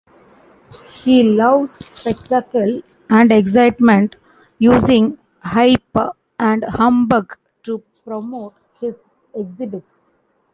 He loves spectacle and excitement, using hype and "humbug" to promote his exhibits.